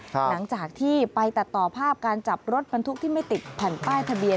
หลังจากที่ไปตัดต่อภาพการจับรถบรรทุกที่ไม่ติดแผ่นป้ายทะเบียน